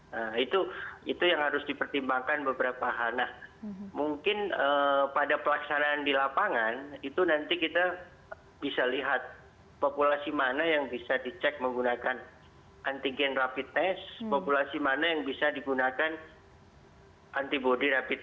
nah itu yang harus dipertimbangkan beberapa hal nah mungkin pada pelaksanaan di lapangan itu nanti kita bisa lihat populasi mana yang bisa dicek menggunakan antigen rapid test populasi mana yang bisa digunakan antibody rapid